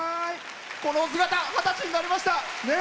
このお姿、二十歳になりました。